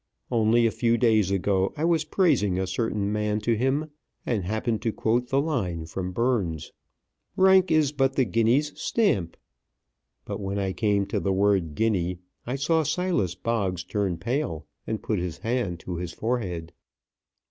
Only a few days ago I was praising a certain man to him, and happened to quote the line from Burns, "Rank is but the guinea's stamp," but when I came to the word "guinea," I saw Silas Boggs turn pale, and put his hand to his forehead.